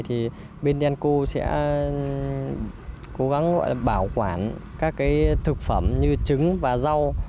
thì bnnco sẽ cố gắng bảo quản các thực phẩm như trứng và rau